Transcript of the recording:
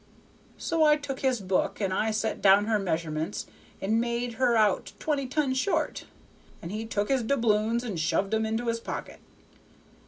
So I took his book and I set down her measurements and made her out twenty ton short, and he took his doubloons and shoved 'em into his pocket.